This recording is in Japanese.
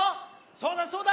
そうだそうだ！